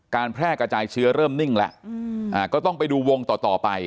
แพร่กระจายเชื้อเริ่มนิ่งแล้วก็ต้องไปดูวงต่อต่อไป